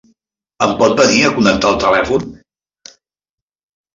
Em pot venir a connectar el telèfon?